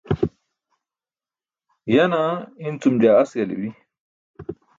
Yaa naa incum jaa as galibi.